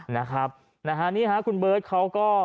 นะครับนี่ค่ะคุณเบิร์ตเขาก็